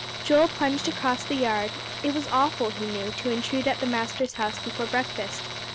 Joel plunged across the yard. It was awful, he knew, to intrude at the master's house before breakfast.